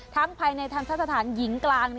ทั้งภายในทางสถาธารณ์หญิงกลาง